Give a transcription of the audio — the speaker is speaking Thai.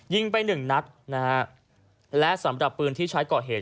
ยิงไปหนึ่งนัดและสำหรับปืนที่ใช้เกาะเหตุ